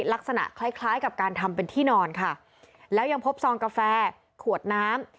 ลักษณะคล้ายคล้ายกับการทำเป็นที่นอนค่ะแล้วยังพบซองกาแฟขวดน้ำ